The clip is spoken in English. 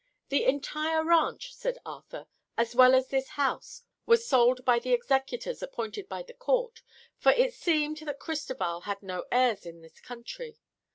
"The entire ranch," said Arthur, "as well as this house, was sold by the executors appointed by the court, for it seems that Cristoval had no heirs in this country.